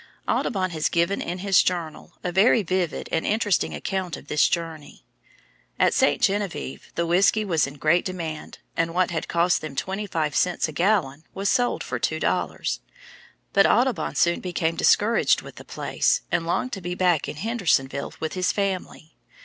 Audubon has given in his journal a very vivid and interesting account of this journey. At St. Geneviève, the whiskey was in great demand, and what had cost them twenty five cents a gallon, was sold for two dollars. But Audubon soon became discouraged with the place and longed to be back in Hendersonville with his family.